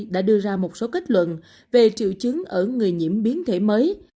đã đưa ra một số kết luận về triệu chứng ở người nhiễm biến thể mới